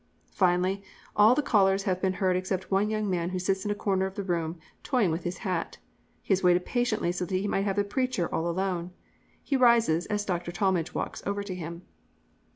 "Finally, all the callers have been heard except one young man who sits in a corner of the room toying with his hat. He has waited patiently so that he might have the preacher all alone. He rises as Dr. Talmage walks over to him.